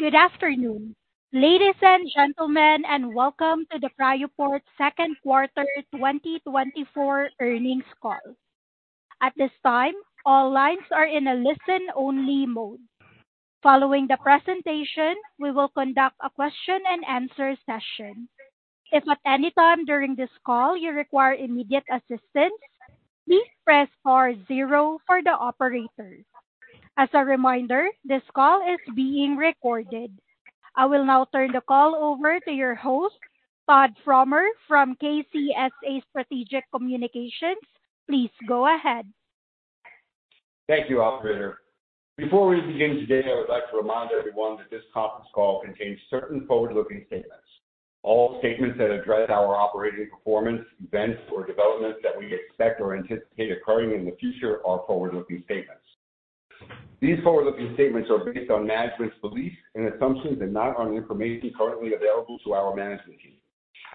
Good afternoon, ladies and gentlemen, and welcome to the Cryoport second quarter 2024 earnings call. At this time, all lines are in a listen-only mode. Following the presentation, we will conduct a question-and-answer session. If at any time during this call you require immediate assistance, please press star zero for the operator. As a reminder, this call is being recorded. I will now turn the call over to your host, Todd Frommer, from KCSA Strategic Communications. Please go ahead. Thank you, Operator. Before we begin today, I would like to remind everyone that this conference call contains certain forward-looking statements. All statements that address our operating performance, events, or developments that we expect or anticipate occurring in the future are forward-looking statements. These forward-looking statements are based on management's beliefs and assumptions and not on information currently available to our management team.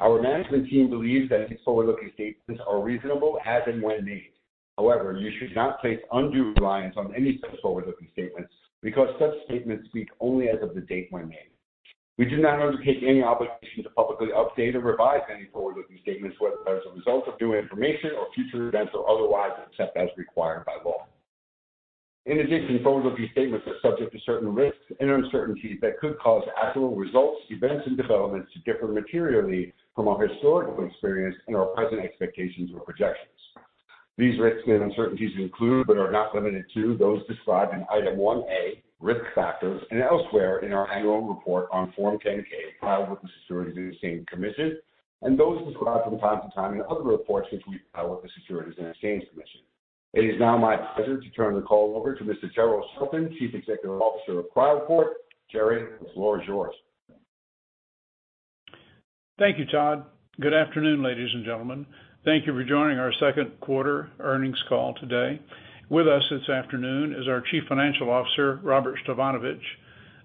Our management team believes that these forward-looking statements are reasonable as and when made. However, you should not place undue reliance on any such forward-looking statements, because such statements speak only as of the date when made. We do not undertake any obligation to publicly update or revise any forward-looking statements, whether as a result of new information or future events or otherwise, except as required by law. In addition, forward-looking statements are subject to certain risks and uncertainties that could cause actual results, events, and developments to differ materially from our historical experience and our present expectations or projections. These risks and uncertainties include, but are not limited to, those described in Item 1A, Risk Factors, and elsewhere in our annual report on Form 10-K filed with the Securities and Exchange Commission, and those described from time to time in other reports which we file with the Securities and Exchange Commission. It is now my pleasure to turn the call over to Mr. Jerrell Shelton, Chief Executive Officer of Cryoport. Jerry, the floor is yours. Thank you, Todd. Good afternoon, ladies and gentlemen. Thank you for joining our second quarter earnings call today. With us this afternoon is our Chief Financial Officer, Robert Stefanovich,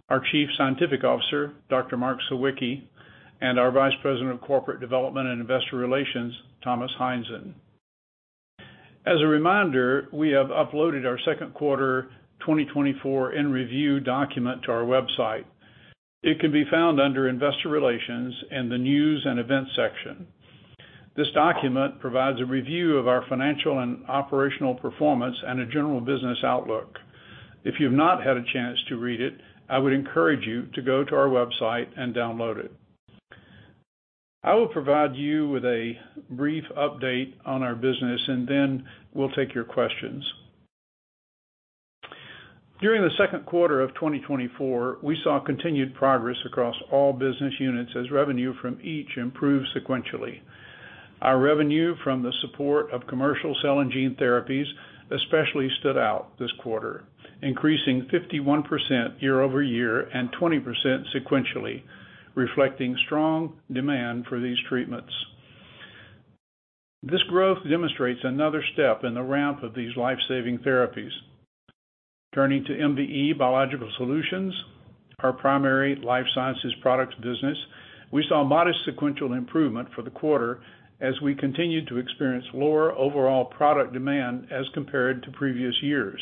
our Chief Scientific Officer, Dr. Mark Sawicki, and our Vice President of Corporate Development and Investor Relations, Thomas Heinzen. As a reminder, we have uploaded our second quarter 2024 in review document to our website. It can be found under Investor Relations in the News and Events section. This document provides a review of our financial and operational performance and a general business outlook. If you've not had a chance to read it, I would encourage you to go to our website and download it. I will provide you with a brief update on our business, and then we'll take your questions. During the second quarter of 2024, we saw continued progress across all business units as revenue from each improved sequentially. Our revenue from the support of commercial cell and gene therapies especially stood out this quarter, increasing 51% year-over-year and 20% sequentially, reflecting strong demand for these treatments. This growth demonstrates another step in the ramp of these life-saving therapies. Turning to MVE Biological Solutions, our primary life sciences products business, we saw modest sequential improvement for the quarter as we continued to experience lower overall product demand as compared to previous years.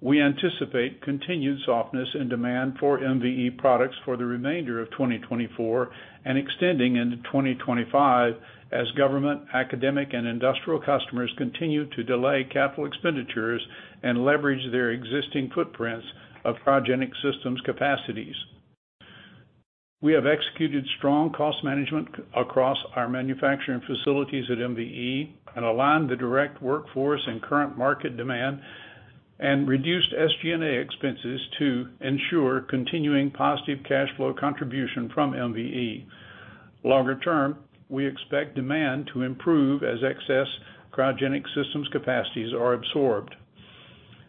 We anticipate continued softness in demand for MVE products for the remainder of 2024 and extending into 2025 as government, academic, and industrial customers continue to delay capital expenditures and leverage their existing footprints of cryogenic systems capacities. We have executed strong cost management across our manufacturing facilities at MVE and aligned the direct workforce and current market demand and reduced SG&A expenses to ensure continuing positive cash flow contribution from MVE. Longer term, we expect demand to improve as excess cryogenic systems capacities are absorbed.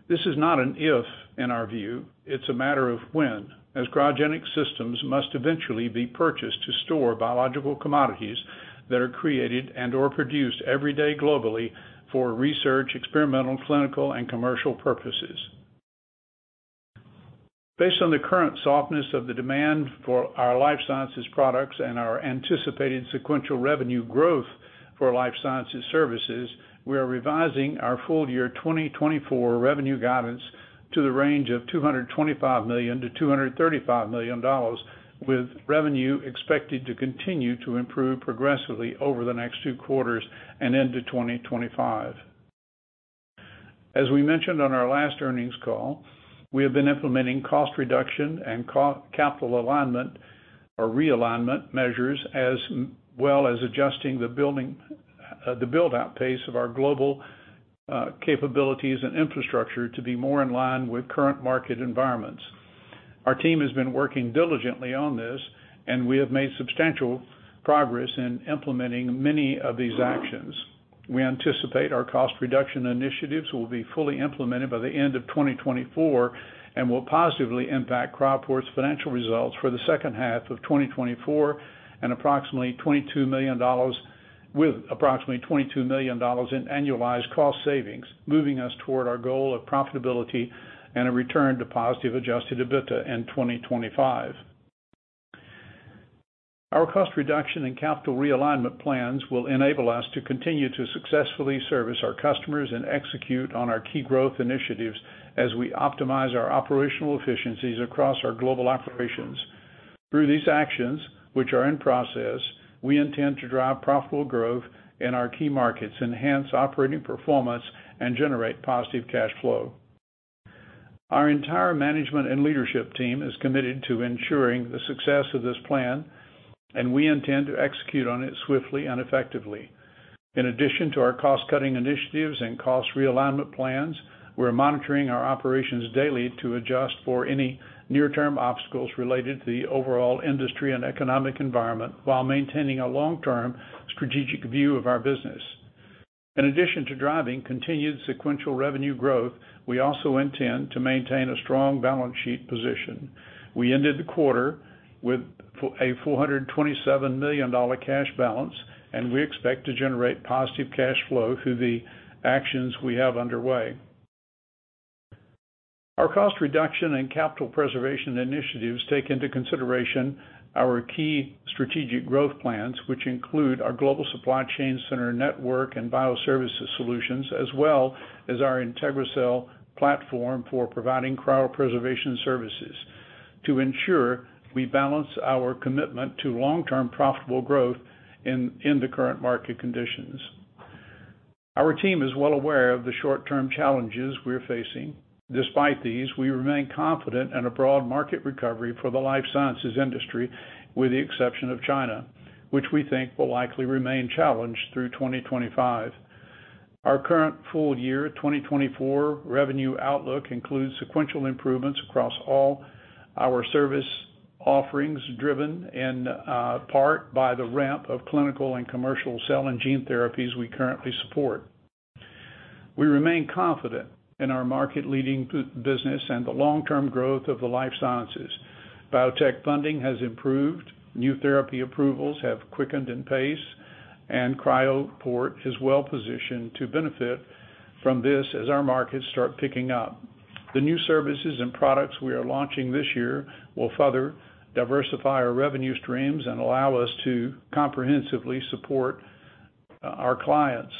This is not an if, in our view, it's a matter of when, as cryogenic systems must eventually be purchased to store biological commodities that are created and/or produced every day globally for research, experimental, clinical, and commercial purposes. Based on the current softness of the demand for our life sciences products and our anticipated sequential revenue growth for life sciences services, we are revising our full year 2024 revenue guidance to the range of $225 million-$235 million, with revenue expected to continue to improve progressively over the next two quarters and into 2025. As we mentioned on our last earnings call, we have been implementing cost reduction and co- capital alignment or realignment measures, as well as adjusting the building, the build-out pace of our global capabilities and infrastructure to be more in line with current market environments. Our team has been working diligently on this, and we have made substantial progress in implementing many of these actions. We anticipate our cost reduction initiatives will be fully implemented by the end of 2024 and will positively impact Cryoport's financial results for the second half of 2024 and approximately $22 million, with approximately $22 million in annualized cost savings, moving us toward our goal of profitability and a return to positive Adjusted EBITDA in 2025. Our cost reduction and capital realignment plans will enable us to continue to successfully service our customers and execute on our key growth initiatives as we optimize our operational efficiencies across our global operations. Through these actions, which are in process, we intend to drive profitable growth in our key markets, enhance operating performance, and generate positive cash flow. Our entire management and leadership team is committed to ensuring the success of this plan, and we intend to execute on it swiftly and effectively. In addition to our cost-cutting initiatives and cost realignment plans, we're monitoring our operations daily to adjust for any near-term obstacles related to the overall industry and economic environment, while maintaining a long-term strategic view of our business. In addition to driving continued sequential revenue growth, we also intend to maintain a strong balance sheet position. We ended the quarter with a $427 million cash balance, and we expect to generate positive cash flow through the actions we have underway. Our cost reduction and capital preservation initiatives take into consideration our key strategic growth plans, which include our global supply chain center network and bioservices solutions, as well as our IntegriCell platform for providing cryopreservation services, to ensure we balance our commitment to long-term profitable growth in the current market conditions. Our team is well aware of the short-term challenges we're facing. Despite these, we remain confident in a broad market recovery for the life sciences industry, with the exception of China, which we think will likely remain challenged through 2025. Our current full year 2024 revenue outlook includes sequential improvements across all our service offerings, driven in part by the ramp of clinical and commercial cell and gene therapies we currently support. We remain confident in our market-leading products business and the long-term growth of the life sciences. Biotech funding has improved, new therapy approvals have quickened in pace, and Cryoport is well positioned to benefit from this as our markets start picking up. The new services and products we are launching this year will further diversify our revenue streams and allow us to comprehensively support our clients.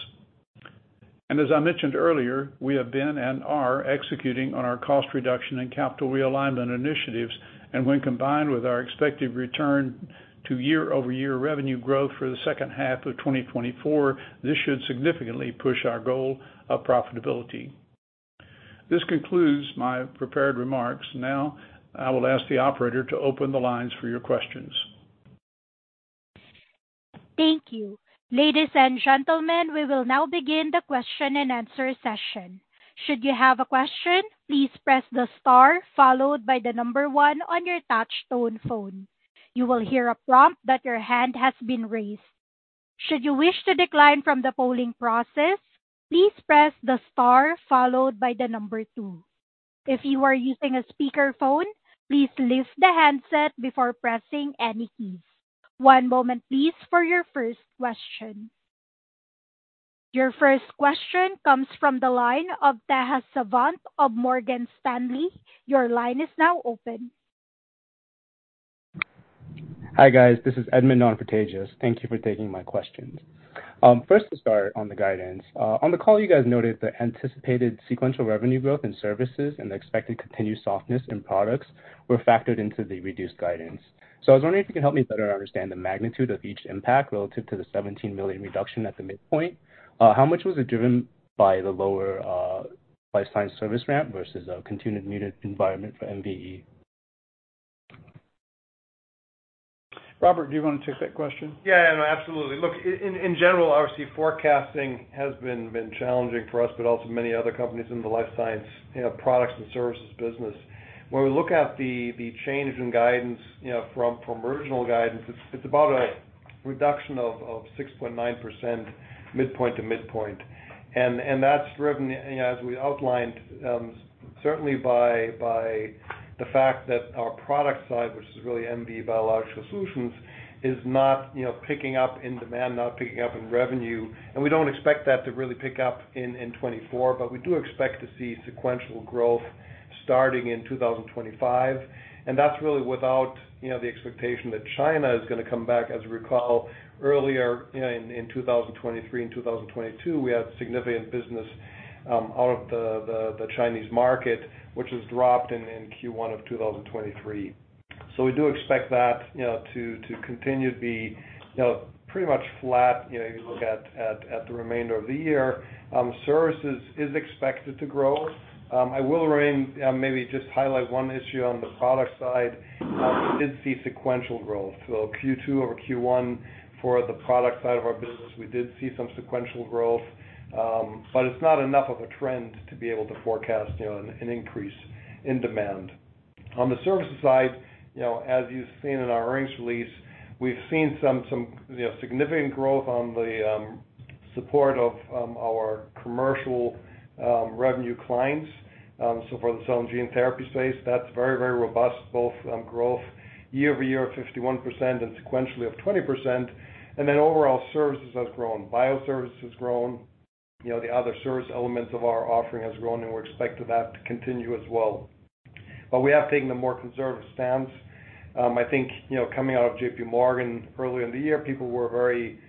As I mentioned earlier, we have been and are executing on our cost reduction and capital realignment initiatives, and when combined with our expected return to year-over-year revenue growth for the second half of 2024, this should significantly push our goal of profitability. This concludes my prepared remarks. Now, I will ask the operator to open the lines for your questions. Thank you. Ladies and gentlemen, we will now begin the question-and-answer session. Should you have a question, please press the star followed by the number one on your touchtone phone. You will hear a prompt that your hand has been raised. Should you wish to decline from the polling process, please press the star followed by the number two. If you are using a speakerphone, please lift the handset before pressing any keys. One moment, please, for your first question. Your first question comes from the line of Tejas Savant of Morgan Stanley. Your line is now open. Hi, guys, this is Edmond from Morgan Stanley. Thank you for taking my questions. First to start on the guidance. On the call, you guys noted the anticipated sequential revenue growth in services and the expected continued softness in products were factored into the reduced guidance. So I was wondering if you could help me better understand the magnitude of each impact relative to the $17 million reduction at the midpoint. How much was it driven by the lower life science service ramp versus a continued muted environment for MVE? Robert, do you want to take that question? Yeah, no, absolutely. Look, in general, obviously, forecasting has been challenging for us, but also many other companies in the life sciences, you know, products and services business. When we look at the change in guidance, you know, from original guidance, it's about a reduction of 6.9%, midpoint to midpoint. And that's driven, you know, as we outlined, certainly by the fact that our product side, which is really MVE Biological Solutions, is not, you know, picking up in demand, not picking up in revenue. And we don't expect that to really pick up in 2024, but we do expect to see sequential growth starting in 2025, and that's really without, you know, the expectation that China is gonna come back. As you recall, earlier, you know, in 2023 and 2022, we had significant business out of the Chinese market, which has dropped in Q1 of 2023. So we do expect that, you know, to continue to be, you know, pretty much flat, you know, you look at the remainder of the year. Services is expected to grow. I will remain, maybe just highlight one issue on the product side. We did see sequential growth. So Q2 over Q1 for the product side of our business, we did see some sequential growth, but it's not enough of a trend to be able to forecast, you know, an increase in demand. On the services side, you know, as you've seen in our earnings release, we've seen some you know, significant growth on the support of our commercial revenue clients. So for the cell and gene therapy space, that's very, very robust, both growth year-over-year of 51% and sequentially of 20%. And then overall, services has grown. Bioservices has grown, you know, the other service elements of our offering has grown, and we're expecting that to continue as well. But we have taken a more conservative stance. I think, you know, coming out of J.P. Morgan earlier in the year, people were very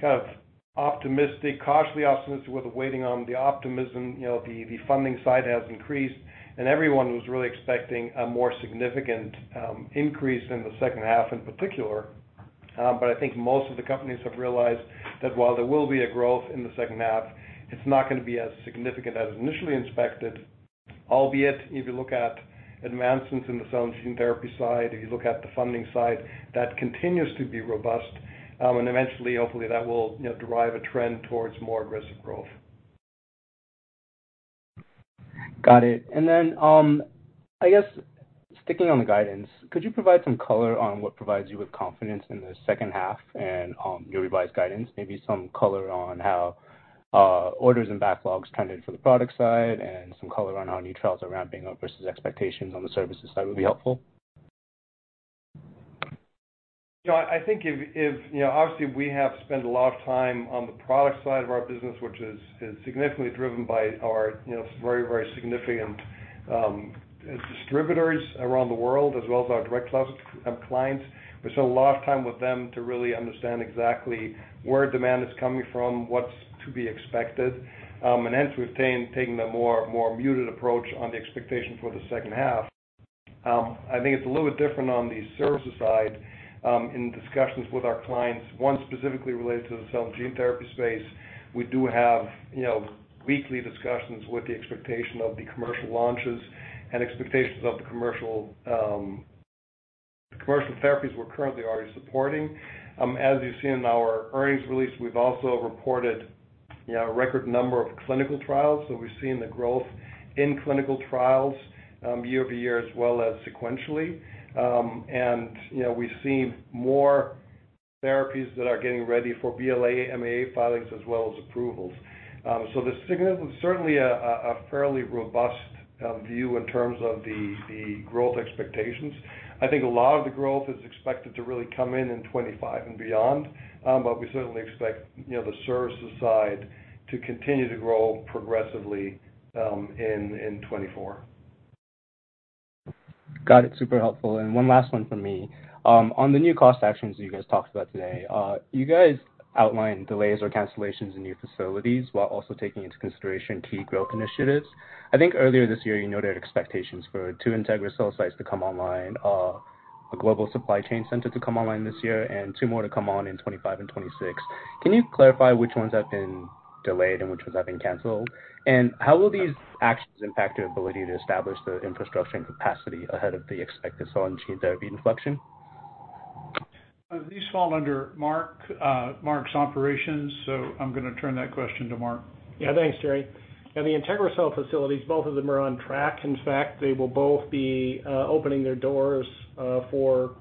kind of optimistic, cautiously optimistic, with a waiting on the optimism. You know, the funding side has increased, and everyone was really expecting a more significant increase in the second half in particular. but I think most of the companies have realized that while there will be a growth in the second half, it's not gonna be as significant as initially expected. Albeit, if you look at advancements in the cell and gene therapy side, if you look at the funding side, that continues to be robust, and eventually, hopefully, that will, you know, derive a trend towards more aggressive growth. Got it. And then, I guess sticking on the guidance, could you provide some color on what provides you with confidence in the second half and, your revised guidance? Maybe some color on how orders and backlogs trended for the product side, and some color on how new trials are ramping up versus expectations on the services side would be helpful. John, I think if you know, obviously, we have spent a lot of time on the product side of our business, which is significantly driven by our, you know, very significant distributors around the world, as well as our direct clients. We spend a lot of time with them to really understand exactly where demand is coming from, what's to be expected, and hence we've taken a more muted approach on the expectation for the second half. I think it's a little bit different on the services side, in discussions with our clients. Specifically related to the cell and gene therapy space, we do have, you know, weekly discussions with the expectation of the commercial launches and expectations of the commercial therapies we're currently already supporting. As you've seen in our earnings release, we've also reported, you know, a record number of clinical trials. So we've seen the growth in clinical trials year-over-year, as well as sequentially. And, you know, we've seen more therapies that are getting ready for BLA, MAA filings as well as approvals. So the signal is certainly a fairly robust view in terms of the growth expectations. I think a lot of the growth is expected to really come in in 2025 and beyond, but we certainly expect, you know, the services side to continue to grow progressively in 2024. Got it. Super helpful. And one last one from me. On the new cost actions that you guys talked about today, you guys outlined delays or cancellations in new facilities while also taking into consideration key growth initiatives. I think earlier this year, you noted expectations for two IntegriCell sites to come online, a global supply chain center to come online this year, and two more to come on in 2025 and 2026. Can you clarify which ones have been delayed and which ones have been canceled? And how will these actions impact your ability to establish the infrastructure and capacity ahead of the expected cell and gene therapy inflection? These fall under Mark, Mark's operations, so I'm gonna turn that question to Mark. Yeah, thanks, Jerry. Yeah, the IntegriCell facilities, both of them are on track. In fact, they will both be opening their doors for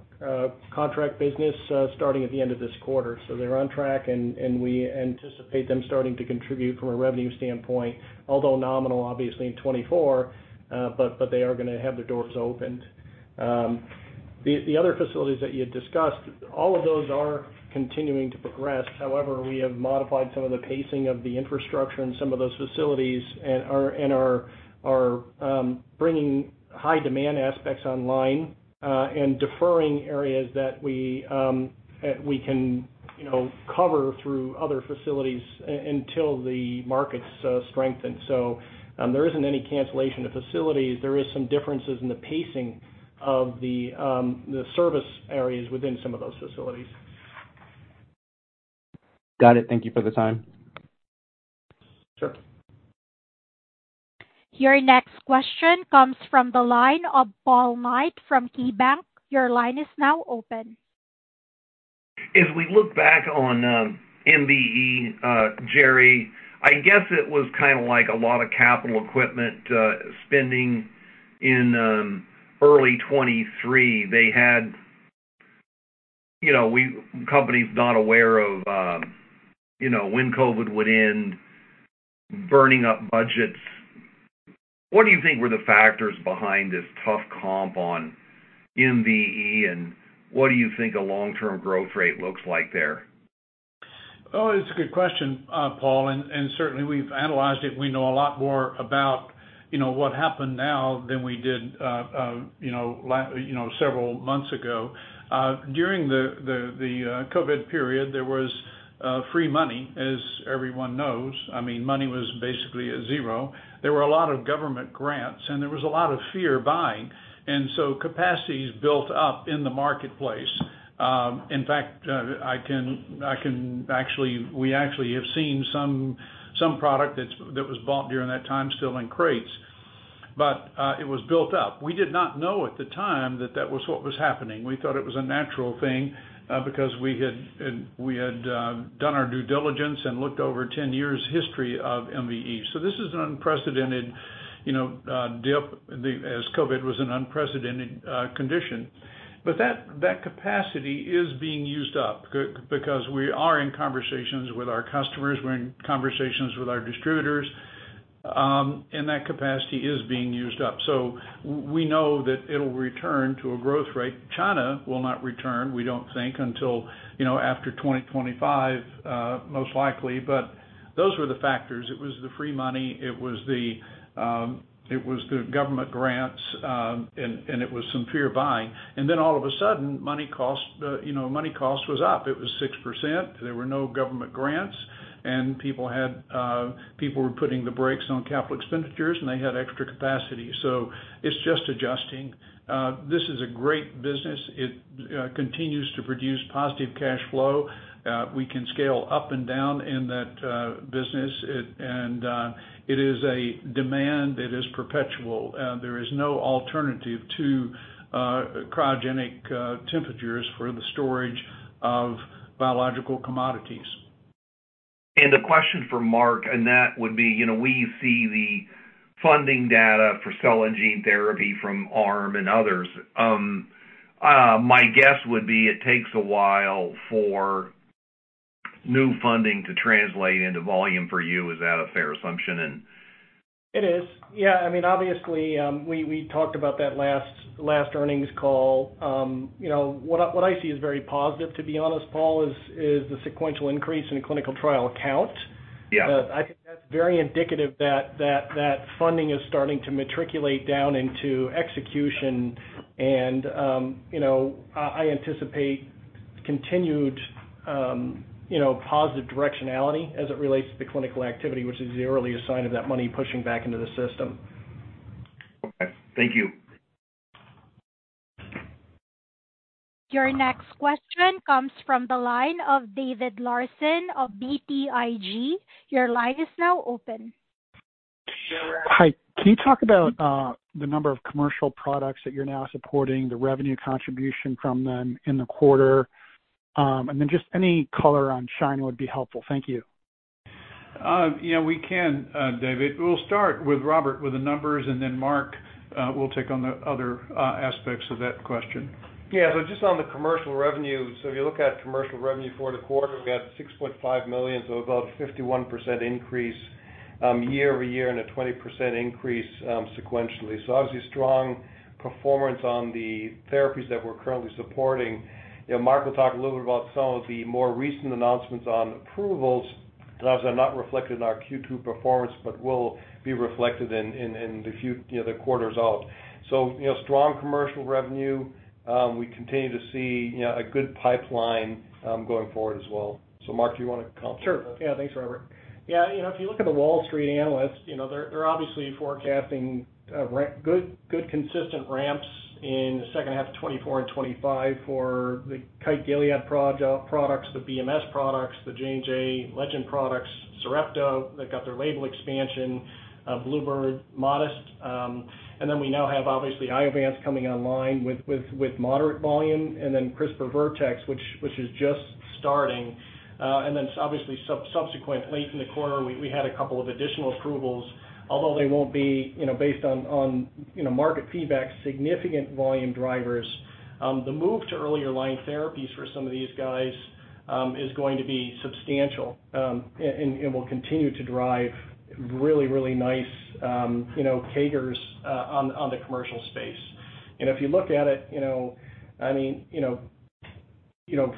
contract business starting at the end of this quarter. So they're on track, and we anticipate them starting to contribute from a revenue standpoint, although nominal, obviously, in 2024, but they are gonna have their doors opened. The other facilities that you had discussed, all of those are continuing to progress. However, we have modified some of the pacing of the infrastructure in some of those facilities and are bringing high demand aspects online and deferring areas that we can, you know, cover through other facilities until the markets strengthen. So, there isn't any cancellation of facilities. There is some differences in the pacing of the service areas within some of those facilities. Got it. Thank you for the time. Sure. Your next question comes from the line of Paul Knight from KeyBanc. Your line is now open. If we look back on MVE, Jerry, I guess it was kind of like a lot of capital equipment spending in early 2023. They had. You know, companies not aware of when COVID would end, burning up budgets. What do you think were the factors behind this tough comp on MVE, and what do you think a long-term growth rate looks like there? Oh, it's a good question, Paul, and certainly we've analyzed it. We know a lot more about, you know, what happened now than we did, you know, several months ago. During the COVID period, there was free money, as everyone knows. I mean, money was basically at zero. There were a lot of government grants, and there was a lot of fear buying, and so capacities built up in the marketplace. In fact, actually, we actually have seen some product that was bought during that time still in crates. But it was built up. We did not know at the time that that was what was happening. We thought it was a natural thing, because we had done our due diligence and looked over ten years' history of MVE. So this is an unprecedented, you know, dip, as COVID was an unprecedented condition. But that capacity is being used up, because we are in conversations with our customers, we're in conversations with our distributors, and that capacity is being used up. So we know that it'll return to a growth rate. China will not return, we don't think, until, you know, after 2025, most likely. But those were the factors. It was the free money, it was the government grants, and it was some fear buying. And then all of a sudden, money costs, you know, money cost was up. It was 6%, there were no government grants, and people were putting the brakes on capital expenditures, and they had extra capacity. So it's just adjusting. This is a great business. It continues to produce positive cash flow. We can scale up and down in that business. It is a demand, it is perpetual. There is no alternative to cryogenic temperatures for the storage of biological commodities. A question for Mark, and that would be: you know, we see the funding data for cell and gene therapy from ARM and others. My guess would be it takes a while for new funding to translate into volume for you. Is that a fair assumption, and- It is. Yeah, I mean, obviously, we talked about that last earnings call. You know, what I see as very positive, to be honest, Paul, is the sequential increase in clinical trial count. Yeah. I think that's very indicative that funding is starting to matriculate down into execution, and, you know, I anticipate continued, you know, positive directionality as it relates to the clinical activity, which is the earliest sign of that money pushing back into the system. Okay. Thank you. Your next question comes from the line of David Larsen of BTIG. Your line is now open. Hi. Can you talk about the number of commercial products that you're now supporting, the revenue contribution from them in the quarter? And then just any color on China would be helpful. Thank you. Yeah, we can, David. We'll start with Robert with the numbers, and then Mark will take on the other aspects of that question. Yeah. So just on the commercial revenue, so if you look at commercial revenue for the quarter, we had $6.5 million, so about a 51% increase year-over-year and a 20% increase sequentially. So obviously, strong performance on the therapies that we're currently supporting. You know, Mark will talk a little bit about some of the more recent announcements on approvals that are not reflected in our Q2 performance, but will be reflected in the future, you know, the quarters out. So, you know, strong commercial revenue. We continue to see, you know, a good pipeline going forward as well. So Mark, do you want to comment? Sure. Yeah. Thanks, Robert. Yeah, you know, if you look at the Wall Street analysts, you know, they're obviously forecasting good consistent ramps in the second half of 2024 and 2025 for the Kite-Gilead products, the BMS products, the JNJ, Legend products, Sarepta, they've got their label expansion, Bluebird, modest. And then we now have, obviously, Iovance coming online with moderate volume, and then CRISPR Vertex, which is just starting. And then obviously, subsequent, late in the quarter, we had a couple of additional approvals, although they won't be, you know, based on market feedback, significant volume drivers. The move to earlier line therapies for some of these guys is going to be substantial, and will continue to drive really, really nice, you know, CAGRs on the commercial space. And if you look at it, you know, I mean, you know, you know,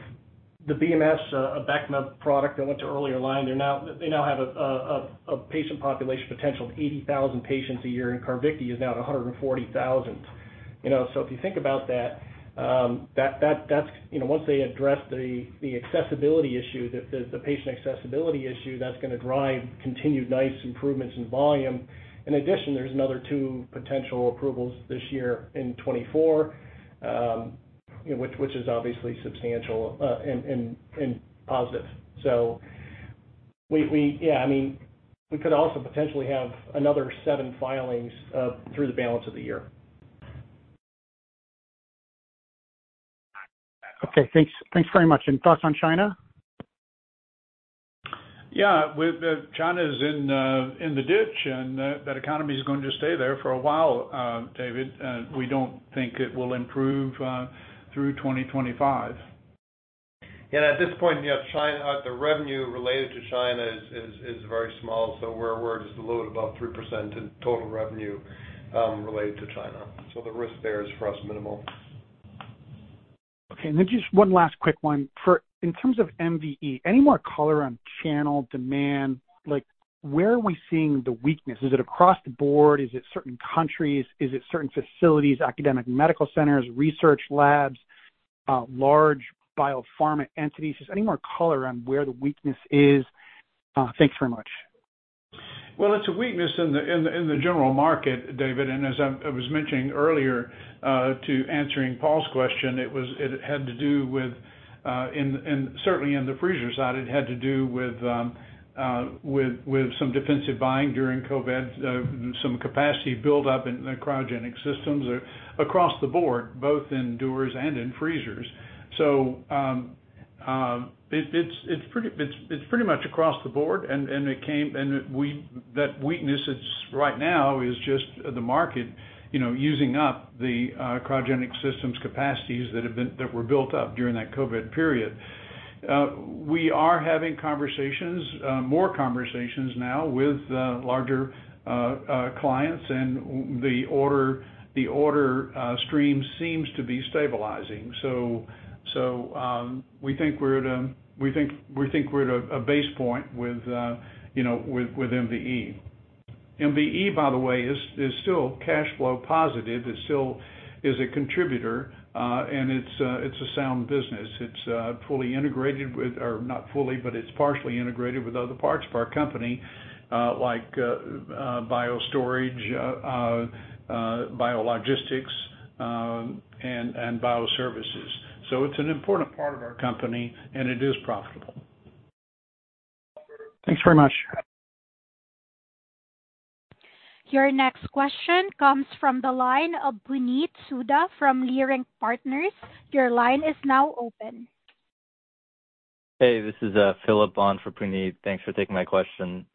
the BMS Abecma product that went to earlier line, they now have a patient population potential of 80,000 patients a year, and Carvykti is now at 140,000. You know, so if you think about that, that's, you know, once they address the patient accessibility issue, that's gonna drive continued nice improvements in volume. In addition, there's another 2 potential approvals this year in 2024, you know, which is obviously substantial, and positive. So we yeah, I mean, we could also potentially have another seven filings through the balance of the year. Okay, thanks. Thanks very much. Thoughts on China? Yeah, with China in the ditch, and that economy is going to stay there for a while, David. We don't think it will improve through 2025. At this point, yeah, China, the revenue related to China is very small, so we're just a little above 3% in total revenue, related to China. So the risk there is for us, minimal. Okay, and then just one last quick one. In terms of MVE, any more color on channel demand? Like, where are we seeing the weakness? Is it across the board? Is it certain countries? Is it certain facilities, academic medical centers, research labs, large biopharma entities? Just any more color on where the weakness is? Thanks very much. Well, it's a weakness in the general market, David, and as I was mentioning earlier, to answering Paul's question, it was—it had to do with, and certainly in the freezer side, it had to do with, with some defensive buying during COVID, some capacity build up in the cryogenic systems across the board, both indoors and in freezers. So, it's pretty—it's pretty much across the board, and it came, and it—we... That weakness right now is just the market, you know, using up the cryogenic systems capacities that have been, that were built up during that COVID period. We are having conversations, more conversations now with larger clients, and the order, the order stream seems to be stabilizing. We think we're at a base point with, you know, with MVE. MVE, by the way, is still cash flow positive, it still is a contributor, and it's a sound business. It's fully integrated with, or not fully, but it's partially integrated with other parts of our company, like BioStorage, Biologistics, and Bioservices. So it's an important part of our company, and it is profitable. Thanks very much. Your next question comes from the line of Puneet Souda from Leerink Partners. Your line is now open. Hey, this is Philip on for Puneet. Thanks for taking my question.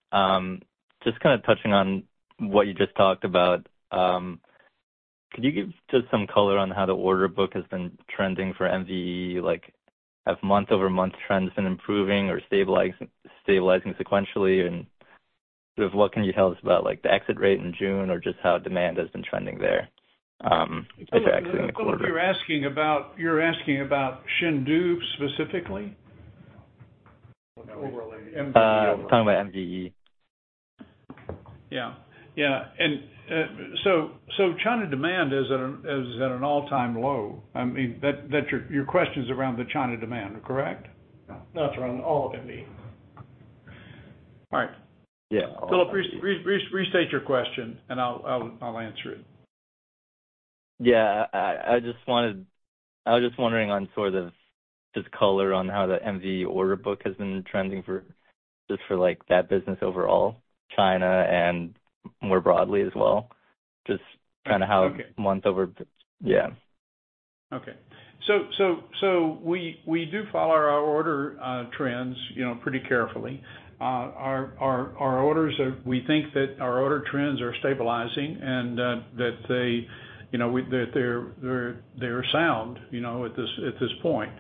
Just kind of touching on what you just talked about, could you give just some color on how the order book has been trending for MVE? Like, have month-over-month trends been improving or stabilizing sequentially? And sort of what can you tell us about, like, the exit rate in June or just how demand has been trending there, as you're exiting the quarter? I believe you're asking about-- You're asking about Xindu specifically? Overall, MVE overall. Talking about MVE. Yeah. Yeah, and, so China demand is at an all-time low. I mean, that, that's your question's around the China demand, correct? No, it's around all of MVE. All right. Yeah. So restate your question, and I'll answer it. Yeah. I just wanted... I was just wondering on sort of just color on how the MVE order book has been trending for, just for, like, that business overall, China and more broadly as well. Just kind of how- Okay. Month over, yeah. Okay. So we do follow our order trends, you know, pretty carefully. Our orders are. We think that our order trends are stabilizing, and that they're sound, you know, at this point.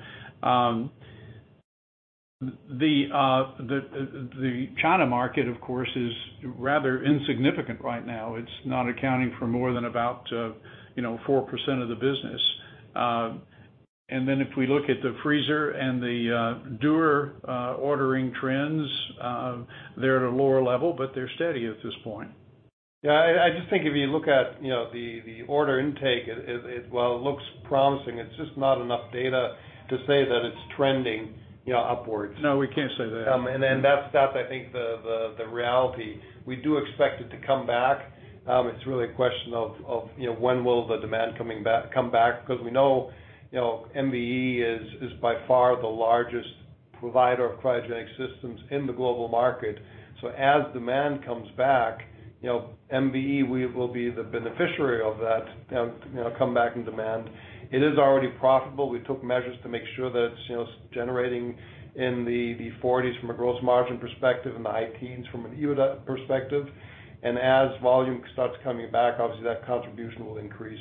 The China market, of course, is rather insignificant right now. It's not accounting for more than about, you know, 4% of the business. And then if we look at the freezer and the Dewar ordering trends, they're at a lower level, but they're steady at this point. Yeah, I just think if you look at, you know, the order intake, while it looks promising, it's just not enough data to say that it's trending, you know, upwards. No, we can't say that. And then that's, I think, the reality. We do expect it to come back. It's really a question of, you know, when will the demand come back, because we know, you know, MVE is by far the largest provider of cryogenic systems in the global market. So as demand comes back, you know, MVE we will be the beneficiary of that, you know, come back in demand. It is already profitable. We took measures to make sure that it's, you know, generating in the forties from a gross margin perspective and the high teens from an EBITDA perspective. And as volume starts coming back, obviously, that contribution will increase.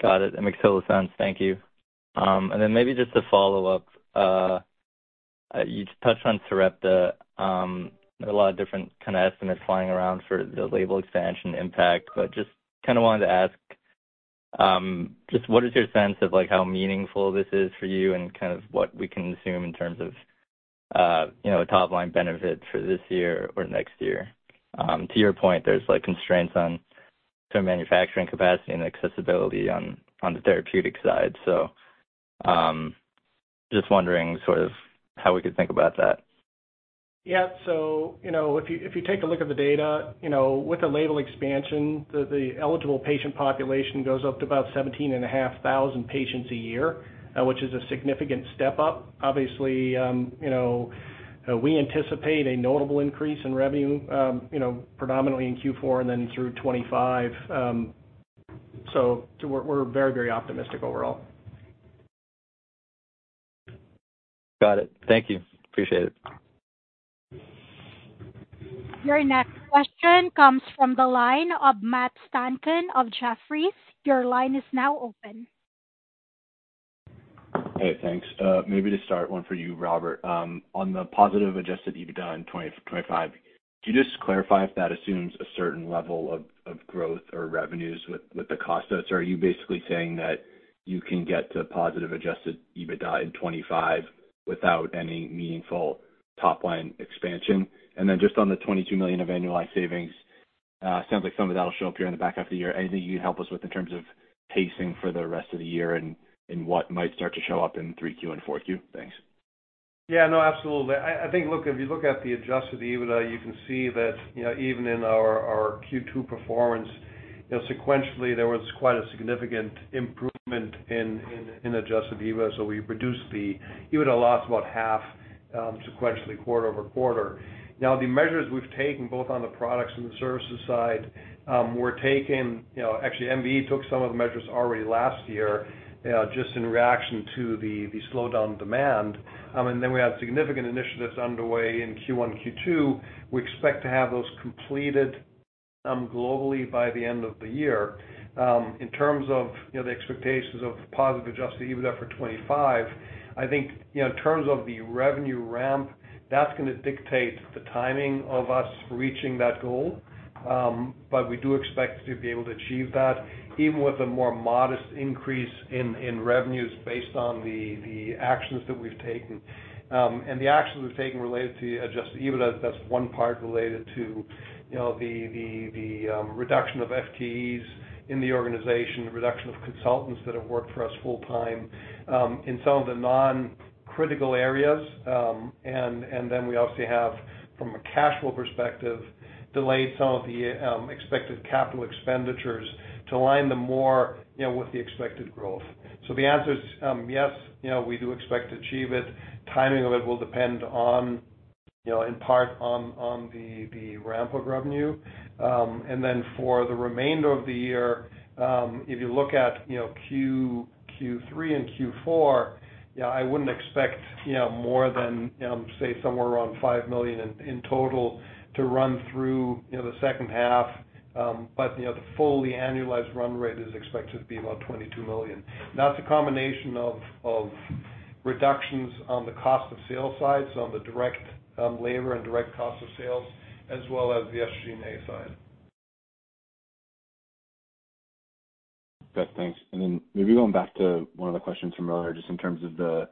Got it. That makes total sense. Thank you. And then maybe just to follow up, you just touched on Sarepta. There are a lot of different kind of estimates flying around for the label expansion impact. But just kind of wanted to ask, just what is your sense of, like, how meaningful this is for you and kind of what we can assume in terms of, you know, top-line benefit for this year or next year? To your point, there's, like, constraints on the manufacturing capacity and accessibility on, on the therapeutic side. Just wondering sort of how we could think about that. Yeah. So, you know, if you take a look at the data, you know, with the label expansion, the eligible patient population goes up to about 17,500 patients a year, which is a significant step up. Obviously, you know, we anticipate a notable increase in revenue, you know, predominantly in Q4 and then through 2025. So, too, we're very, very optimistic overall. Got it. Thank you. Appreciate it. Your next question comes from the line of Matt Stanton of Jefferies. Your line is now open. Hey, thanks. Maybe to start, one for you, Robert. On the positive adjusted EBITDA in 2025, could you just clarify if that assumes a certain level of, of growth or revenues with, with the cost outs? Or are you basically saying that you can get to positive adjusted EBITDA in 2025 without any meaningful top-line expansion? And then just on the $22 million of annualized savings, sounds like some of that will show up here in the back half of the year. Anything you can help us with in terms of pacing for the rest of the year and, and what might start to show up in 3Q and 4Q? Thanks. Yeah. No, absolutely. I think, look, if you look at the Adjusted EBITDA, you can see that, you know, even in our Q2 performance, you know, sequentially, there was quite a significant improvement in Adjusted EBITDA. So we reduced the EBITDA loss about half, sequentially, quarter-over-quarter. Now, the measures we've taken, both on the products and the services side, were taken, you know, actually, MVE took some of the measures already last year, just in reaction to the slowdown demand. And then we have significant initiatives underway in Q1 and Q2. We expect to have those completed, globally by the end of the year. In terms of, you know, the expectations of positive Adjusted EBITDA for 2025, I think, you know, in terms of the revenue ramp, that's gonna dictate the timing of us reaching that goal. But we do expect to be able to achieve that, even with a more modest increase in revenues based on the actions that we've taken. And the actions we've taken related to Adjusted EBITDA, that's one part related to, you know, the reduction of FTEs in the organization, the reduction of consultants that have worked for us full-time in some of the non-critical areas. And then we obviously have, from a cash flow perspective, delayed some of the expected capital expenditures to align them more, you know, with the expected growth. So the answer is, yes, you know, we do expect to achieve it. Timing of it will depend on, you know, in part, on the ramp of revenue. And then for the remainder of the year, if you look at, you know, Q3 and Q4, yeah, I wouldn't expect, you know, more than, say, somewhere around $5 million in total to run through, you know, the second half. But, you know, the fully annualized run rate is expected to be about $22 million. And that's a combination of reductions on the cost of sales side, so on the direct labor and direct cost of sales, as well as the SG&A side Thanks. And then maybe going back to one of the questions from earlier, just in terms of the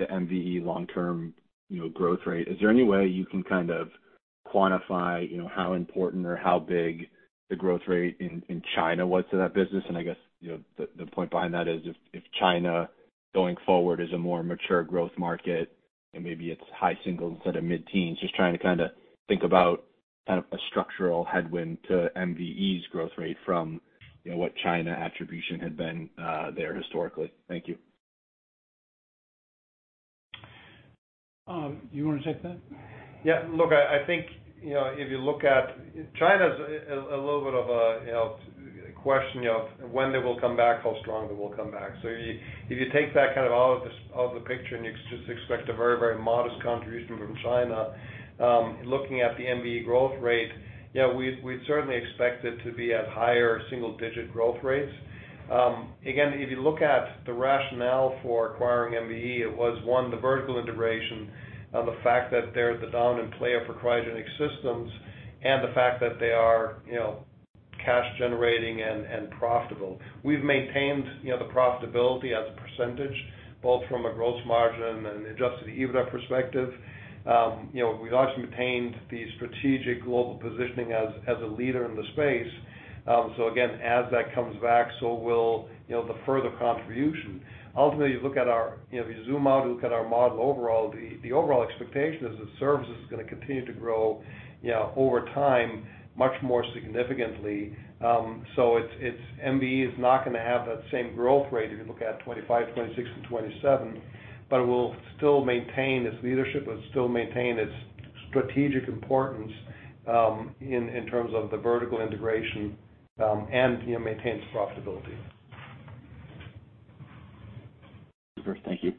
MVE long-term, you know, growth rate. Is there any way you can kind of quantify, you know, how important or how big the growth rate in China was to that business? And I guess, you know, the point behind that is if China, going forward, is a more mature growth market and maybe it's high singles instead of mid-teens. Just trying to kinda think about kind of a structural headwind to MVE's growth rate from, you know, what China attribution had been there historically. Thank you. You wanna take that? Yeah. Look, I think, you know, if you look at—China's a little bit of a, you know, question, you know, of when they will come back, how strong they will come back. So if you take that kind of out of the picture, and you just expect a very, very modest contribution from China, looking at the MVE growth rate, yeah, we'd certainly expect it to be at higher single digit growth rates. Again, if you look at the rationale for acquiring MVE, it was, one, the vertical integration, the fact that they're the dominant player for cryogenic systems, and the fact that they are, you know, cash generating and profitable. We've maintained, you know, the profitability as a percentage, both from a gross margin and an Adjusted EBITDA perspective. You know, we've also maintained the strategic global positioning as a leader in the space. So again, as that comes back, so will, you know, the further contribution. Ultimately, you look at our, you know, if you zoom out and look at our model overall, the overall expectation is that services is gonna continue to grow, you know, over time, much more significantly. So it's MVE is not gonna have that same growth rate if you look at 2025, 2026, and 2027, but it will still maintain its leadership and still maintain its strategic importance, in terms of the vertical integration, and, you know, maintain its profitability. Super. Thank you.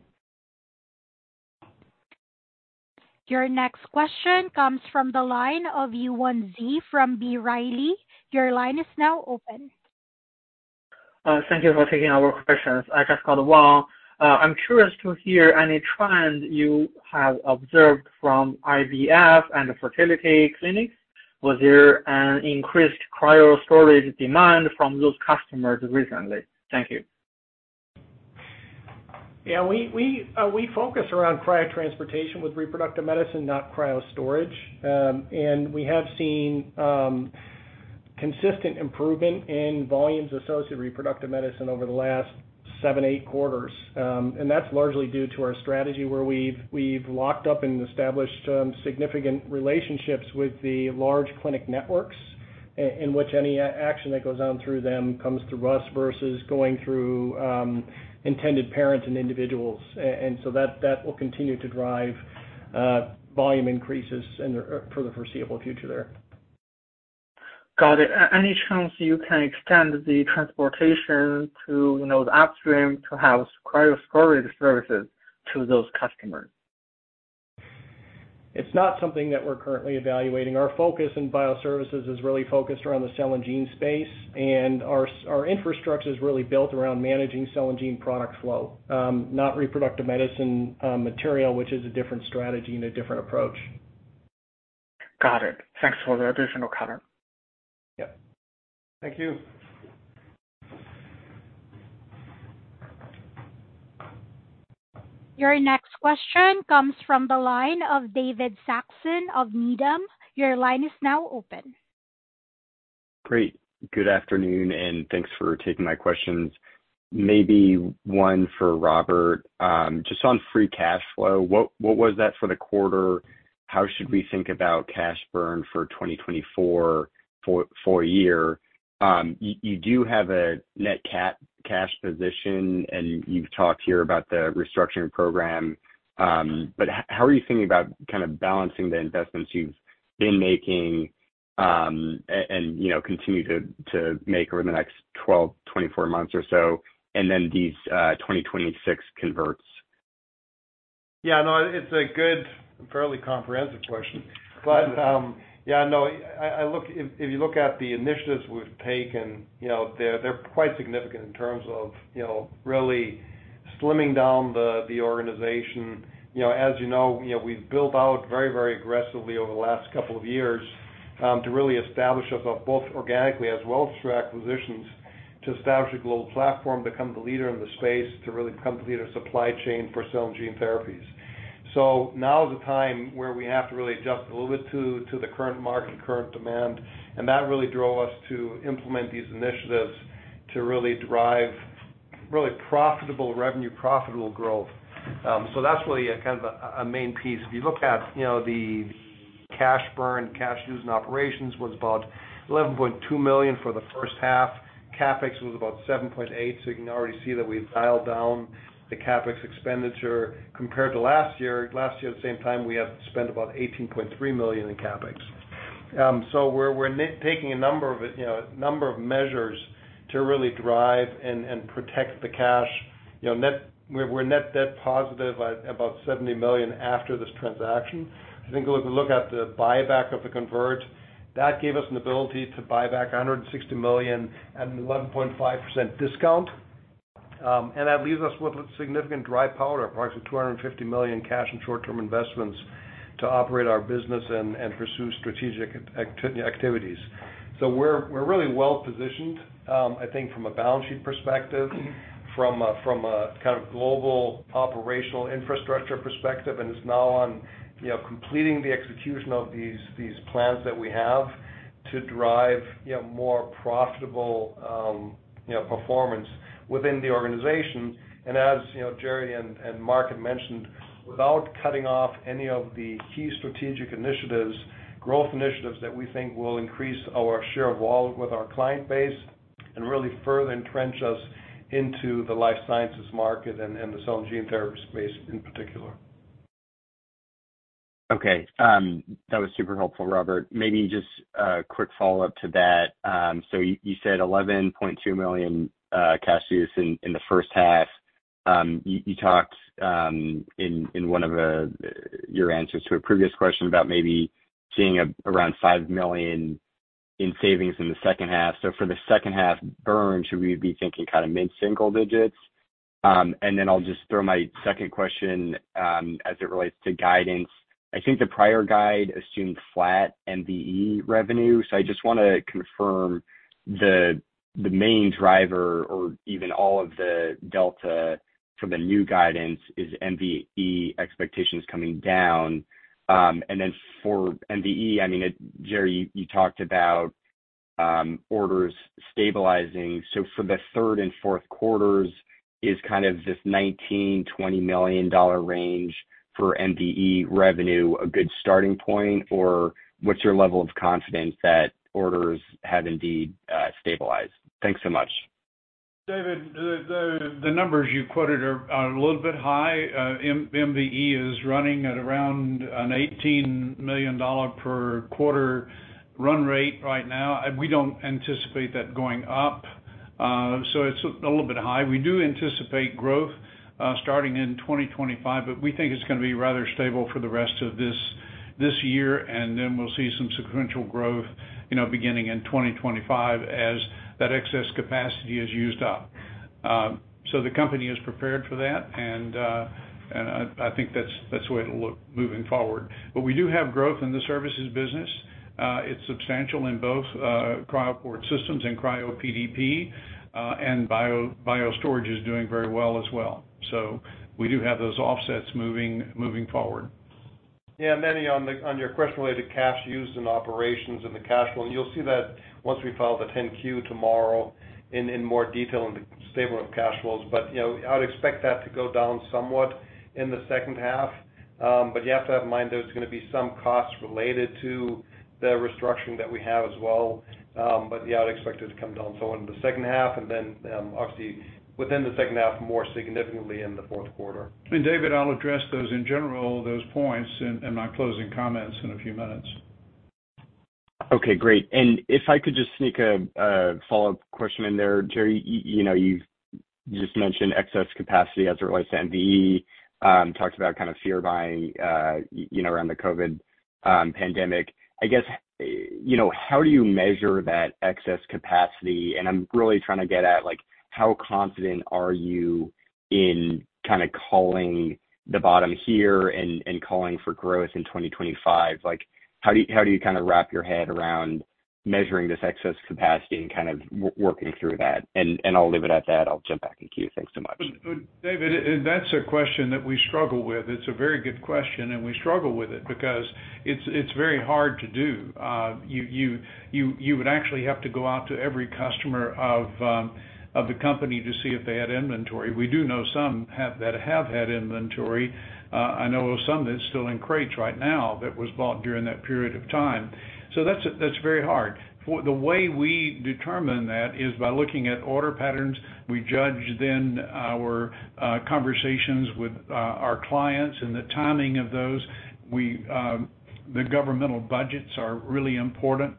Your next question comes from the line of Yuan Zhi from B. Riley. Your line is now open. Thank you for taking our questions. I just got one. I'm curious to hear any trend you have observed from IVF and the fertility clinics. Was there an increased cryo storage demand from those customers recently? Thank you. Yeah, we focus around cryo transportation with reproductive medicine, not cryo storage. We have seen consistent improvement in volumes associated with reproductive medicine over the last seven, eight quarters. That's largely due to our strategy, where we've locked up and established significant relationships with the large clinic networks, and which any action that goes on through them comes through us versus going through intended parents and individuals. So that will continue to drive volume increases in the for the foreseeable future there. Got it. Any chance you can extend the transportation to, you know, the upstream to have cryo storage services to those customers? It's not something that we're currently evaluating. Our focus in bioservices is really focused around the cell and gene space, and our infrastructure is really built around managing cell and gene product flow, not reproductive medicine material, which is a different strategy and a different approach. Got it. Thanks for the additional color. Yep. Thank you. Your next question comes from the line of David Saxon of Needham. Your line is now open. Great. Good afternoon, and thanks for taking my questions. Maybe one for Robert. Just on free cash flow, what was that for the quarter? How should we think about cash burn for 2024, for the year? You do have a net cash position, and you've talked here about the restructuring program. But how are you thinking about kind of balancing the investments you've been making, and, you know, continue to make over the next 12, 24 months or so, and then these 2026 converts?... Yeah, no, it's a good, fairly comprehensive question. But, yeah, no, I look—if you look at the initiatives we've taken, you know, they're quite significant in terms of, you know, really slimming down the organization. You know, as you know, you know, we've built out very, very aggressively over the last couple of years to really establish ourselves, both organically as well as through acquisitions, to establish a global platform, become the leader in the space, to really become the leader of supply chain for cell and gene therapies. So now is the time where we have to really adjust a little bit to the current market, current demand, and that really drove us to implement these initiatives to really drive really profitable revenue, profitable growth. So that's really a kind of a main piece. If you look at, you know, the cash burn, cash use in operations was about $11.2 million for the first half. CapEx was about $7.8 million, so you can already see that we've dialed down the CapEx expenditure compared to last year. Last year, at the same time, we had spent about $18.3 million in CapEx. So we're taking a number of, you know, number of measures to really drive and protect the cash. You know, we're net debt positive by about $70 million after this transaction. I think if we look at the buyback of the converts, that gave us an ability to buy back $160 million at an 11.5% discount. And that leaves us with significant dry powder, approximately $250 million cash and short-term investments to operate our business and pursue strategic activities. So we're really well positioned, I think from a balance sheet perspective, from a kind of global operational infrastructure perspective. And it's now on, you know, completing the execution of these plans that we have to drive, you know, more profitable performance within the organization. And as, you know, Jerry and Mark had mentioned, without cutting off any of the key strategic initiatives, growth initiatives that we think will increase our share of wallet with our client base and really further entrench us into the life sciences market and the cell and gene therapy space in particular. Okay, that was super helpful, Robert. Maybe just a quick follow-up to that. So you said $11.2 million cash use in the first half. You talked in one of your answers to a previous question about maybe seeing around $5 million in savings in the second half. So for the second half burn, should we be thinking kind of mid-single digits? And then I'll just throw my second question as it relates to guidance. I think the prior guide assumed flat MVE revenue, so I just wanna confirm the main driver or even all of the delta for the new guidance is MVE expectations coming down. And then for MVE, I mean, it, Jerry, you talked about orders stabilizing. So for the third and fourth quarters, is kind of this $19 million-$20 million range for MVE revenue a good starting point, or what's your level of confidence that orders have indeed stabilized? Thanks so much. David, the numbers you quoted are a little bit high. MVE is running at around an $18 million per quarter run rate right now, and we don't anticipate that going up. So it's a little bit high. We do anticipate growth starting in 2025, but we think it's gonna be rather stable for the rest of this year, and then we'll see some sequential growth, you know, beginning in 2025 as that excess capacity is used up. So the company is prepared for that, and I think that's the way it'll look moving forward. But we do have growth in the services business. It's substantial in both Cryoport Systems and CryoPDP, and BioStorage is doing very well as well. So we do have those offsets moving forward. Yeah, Manny, on your question related to cash used in operations and the cash flow, you'll see that once we file the 10-Q tomorrow, in more detail in the statement of cash flows. But, you know, I'd expect that to go down somewhat in the second half. But you have to have in mind there's gonna be some costs related to the restructuring that we have as well. But yeah, I'd expect it to come down so in the second half, and then obviously within the second half, more significantly in the fourth quarter. David, I'll address those in general, those points, in, in my closing comments in a few minutes. Okay, great. And if I could just sneak a follow-up question in there, Jerry. You know, you've just mentioned excess capacity as it relates to MVE, talked about kind of fear buying, you know, around the COVID pandemic. I guess, you know, how do you measure that excess capacity? And I'm really trying to get at, like, how confident are you in kind of calling the bottom here and, and calling for growth in 2025? Like, how do you, how do you kind of wrap your head around measuring this excess capacity and kind of working through that? And, and I'll leave it at that. I'll jump back in queue. Thanks so much. But David, and that's a question that we struggle with. It's a very good question, and we struggle with it because it's very hard to do. You would actually have to go out to every customer of, of the company to see if they had inventory. We do know some have-- that have had inventory. I know of some that's still in crates right now that was bought during that period of time. So that's very hard. For-- the way we determine that is by looking at order patterns. We judge then our conversations with, our clients and the timing of those. We, the governmental budgets are really important.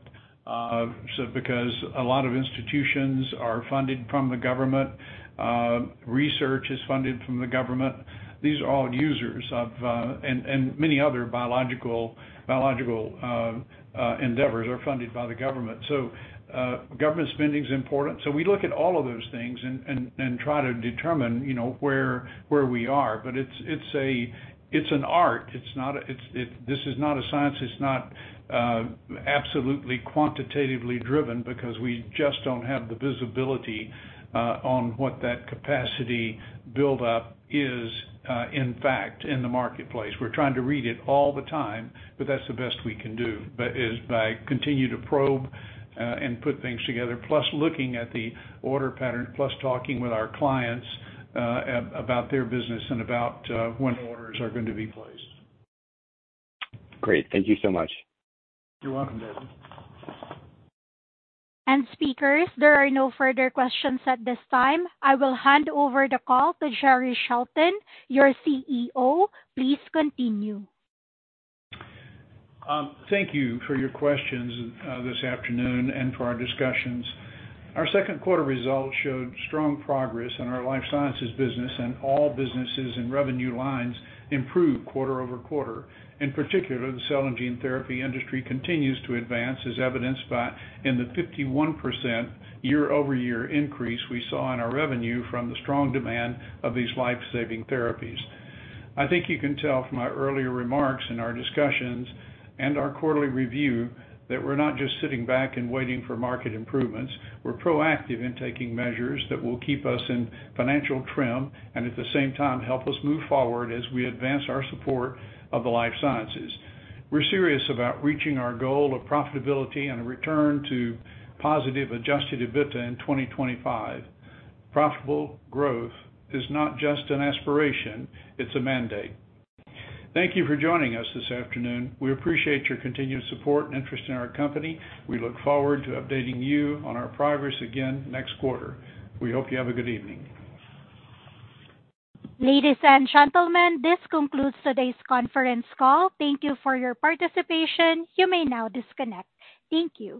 So because a lot of institutions are funded from the government, research is funded from the government, these are all users of, and many other biological endeavors are funded by the government. So, government spending is important. So we look at all of those things and try to determine, you know, where we are. But it's an art. It's not a science. It's not absolutely quantitatively driven because we just don't have the visibility on what that capacity buildup is, in fact, in the marketplace. We're trying to read it all the time, but that's the best we can do, but it is by continuing to probe and put things together, plus looking at the order pattern, plus talking with our clients about their business and about when orders are going to be placed. Great. Thank you so much. You're welcome, David. Speakers, there are no further questions at this time. I will hand over the call to Jerrell Shelton, your CEO. Please continue. Thank you for your questions, this afternoon and for our discussions. Our second quarter results showed strong progress in our life sciences business, and all businesses and revenue lines improved quarter-over-quarter. In particular, the cell and gene therapy industry continues to advance, as evidenced by the 51% year-over-year increase we saw in our revenue from the strong demand of these life-saving therapies. I think you can tell from my earlier remarks in our discussions and our quarterly review, that we're not just sitting back and waiting for market improvements. We're proactive in taking measures that will keep us in financial trim and at the same time, help us move forward as we advance our support of the life sciences. We're serious about reaching our goal of profitability and a return to positive Adjusted EBITDA in 2025. Profitable growth is not just an aspiration, it's a mandate. Thank you for joining us this afternoon. We appreciate your continued support and interest in our company. We look forward to updating you on our progress again next quarter. We hope you have a good evening. Ladies and gentlemen, this concludes today's conference call. Thank you for your participation. You may now disconnect. Thank you.